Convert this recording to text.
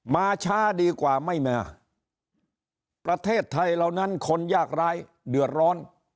มาช้าดีกว่าไม่มาประเทศไทยเหล่านั้นคนยากร้ายเดือดร้อน